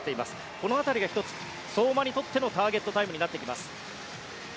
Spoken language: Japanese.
この辺りが１つ、相馬にとってのターゲットタイムになってきます。